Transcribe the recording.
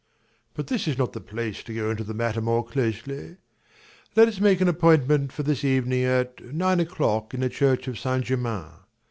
But this is not the place to go into the matter more closely. Let us make an appointment for this evening at nine o'clock in the Church of St. Germain.